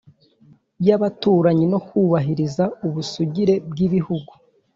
y'abaturanyi no kubahiriza ubusugire bw'ibihugu.